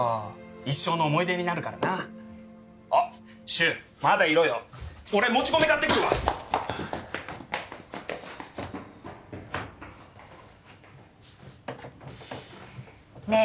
一生の思い出になるからなあっ柊まだいろよ俺もち米買ってくるわねえ